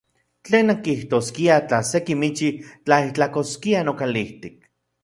¿Tlen nankijtoskiaj tla se kimichi tlaijtlakoskia nokalijtik?